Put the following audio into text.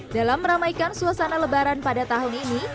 dalam meramaikan suasana lebaran pada tahun ini